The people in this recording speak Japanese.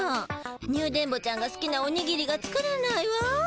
ニュ電ボちゃんがすきなおにぎりが作れないわ。